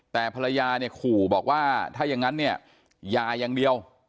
แต่ภรรยาแสงโหมว่าถ้าอย่างนั้นเนี่ยยายังเดียว